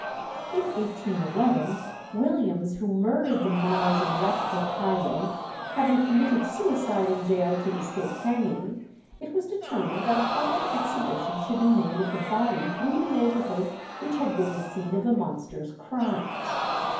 In 1811 Williams, who murdered the Marrs in Ratcliffe Highway, having committed suicide in gaol to escape hanging, it was determined that a public exhibition should be made of the body through the neighbourhood which had been the scene of the monster's crimes.